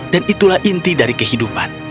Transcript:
dan itulah inti dari kehidupan